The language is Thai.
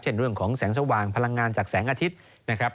เรื่องของแสงสว่างพลังงานจากแสงอาทิตย์นะครับ